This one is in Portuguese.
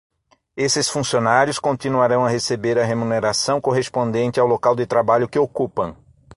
Esses funcionários continuarão a receber a remuneração correspondente ao local de trabalho que ocupam.